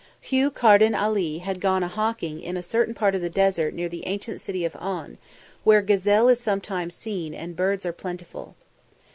Hugh Carden Ali had gone a hawking in a certain part of the desert near the ancient City of On, where gazelle is sometimes seen and birds are plentiful.